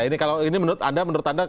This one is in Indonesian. ini kalau menurut anda